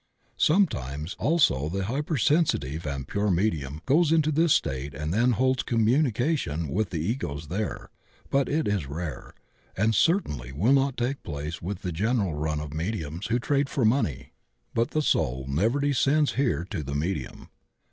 Some times also the hypersensitive and pure mediiun goes into this state and then holds commimication with the Egos there, but it is rare, and certainly will not take place with the general run of mediums who trade for money. But the soul never descends here to the me dium.